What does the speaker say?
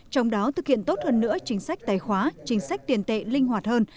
trong đó thực hiện tốt hơn nữa chính sách tài khoá chính sách tiền tệ linh hoạt hơn